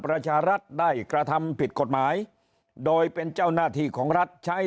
ประชารัฐได้กระทำผิดกฎหมายโดยเป็นเจ้าหน้าที่ของรัฐใช้